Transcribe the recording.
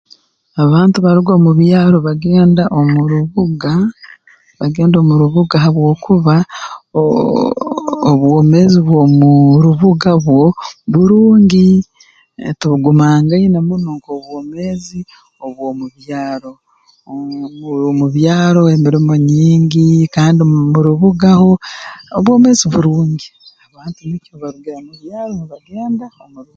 Abantu baruga omu byaro bagenda omu rubuga bagenda omu rubuga habwokuba o-o-o-oh obwomeezi bw'omuu rubuga bwo burungi eh tubugumangaine muno nk'obwomeezi obw'omu byaro mmh mu byaro emirimo nyingi kandi mu rubuga ho obwomeezi burungi abantu nikyo barugira mu byaro nibagenda omu bibuga